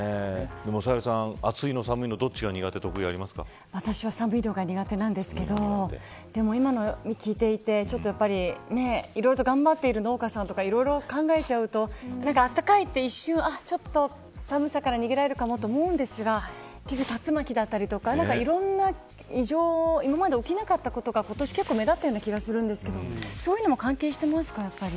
でもサヘルさん暑いと寒いのとは私は寒いのが苦手なんですけどでも、今のを聞いていていろいろと頑張っている農家さんとか考えちゃうとあったかいっていってちょっと寒さから逃げられるかもと思うんですが竜巻だったりとかいろんな、今まで起きなかったことが今年って、目立っている気がするんですけどそういうのも関係していますか。